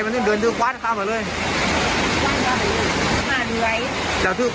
เสียหายใช่ไหม